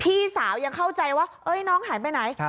พี่สาวยังเข้าใจว่าน้องหายไปไหน